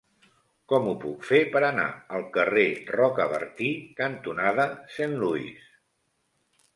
Com ho puc fer per anar al carrer Rocabertí cantonada Saint Louis?